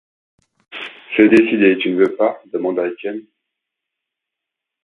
C’est décidé, tu ne veux pas? demanda Étienne.